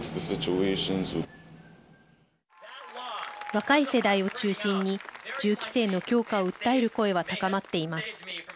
若い世代を中心に銃規制の強化を訴える声は高まっています。